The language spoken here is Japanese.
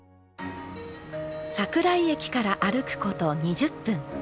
桜井駅から歩くこと２０分。